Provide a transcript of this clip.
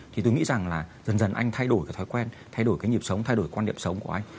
thì tôi nghĩ rằng là dần dần anh thay đổi cái thói quen thay đổi cái nhịp sống thay đổi quan điểm sống của anh